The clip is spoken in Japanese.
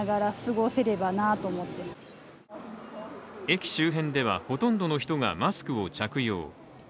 駅周辺では、ほとんどの人がマスクを着用。